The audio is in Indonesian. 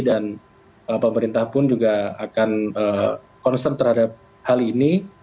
dan pemerintah pun juga akan konsen terhadap hal ini